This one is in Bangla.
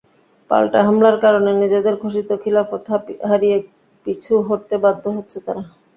পাল্টা হামলার কারণে নিজেদের ঘোষিত খিলাফত হারিয়ে পিছু হটতে বাধ্য হচ্ছে তারা।